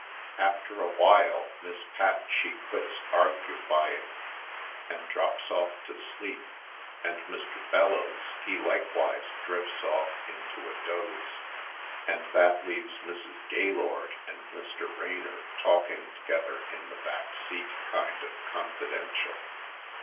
After awhile Miss Pat she quits argufy ing and drops ofif to sleep and Mr. Bellows he likewise drifts of]f into a doze and that leaves Mrs. Gaylord and Mr. Raynor talk ing together in the back seat kind of con fidential.